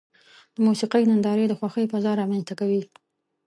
د موسیقۍ نندارې د خوښۍ فضا رامنځته کوي.